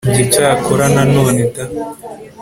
njye cyakora nanone da